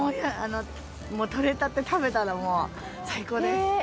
もう採れたて食べたらもう最高です。